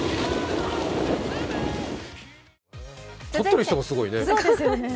撮ってる人すごいね。